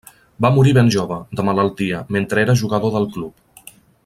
Va morir ben jove, de malaltia, mentre era jugador del club.